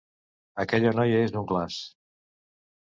Aquella noia és un glaç.